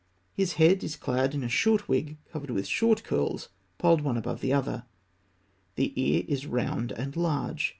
His head is clad in a short wig covered with short curls piled one above the other. The ear is round and large.